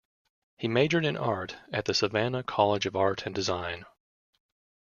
He majored in art at the Savannah College of Art and Design.